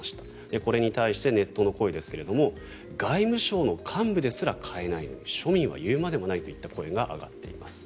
これに対して、ネットの声ですが外務省の幹部ですら買えないのに庶民は言うまでもないといった声が上がっています。